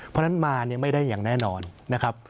เพราะฉะนั้นมาเนี่ยไม่ได้อย่างแน่นอนนะครับ